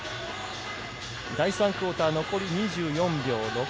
第３クオーター、残り２４秒６。